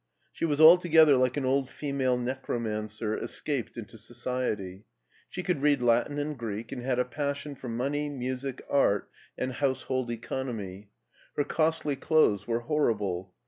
She was altogether like an old female necromancer es caped into society. She could read Latin and Greek, and had a passion for money, music, art, and house hold economy. Her costly clothes were horrible.